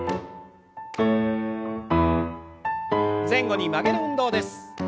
前後に曲げる運動です。